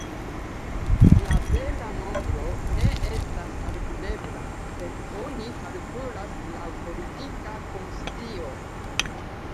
La vera nombro ne estas kalkulebla, sed oni kalkulas laŭ politika konscio.